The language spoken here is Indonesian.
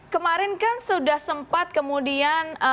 kemarin kan sudah sempat kemudian